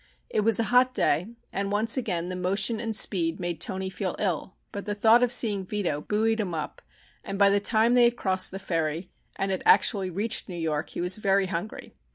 It was a hot day, and once again the motion and speed made Toni feel ill, but the thought of seeing Vito buoyed him up, and by the time they had crossed the ferry and had actually reached New York he was very hungry.